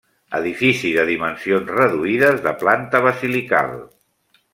Edifici de dimensions reduïdes de planta basilical.